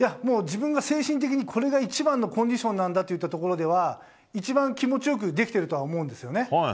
自分が精神的にこれが一番のコンディションなんだというところでは一番気持ちよくできているとは思うんですね。